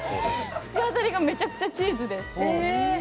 口当たりはめちゃくちゃチーズです。